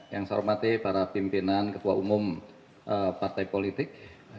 yang saya hormati para pimpinan ketua umum partai politik